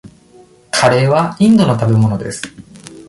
カレーはインドの食べ物です。